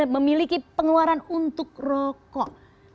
memiliki pengeluaran untuk rokok